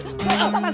gak ada siapa satu nen